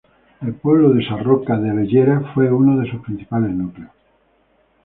El pueblo de Sarroca de Bellera fue uno de sus principales núcleos.